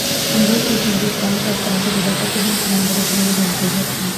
In both cases, this rank was granted to the second-in-command of an infantry section.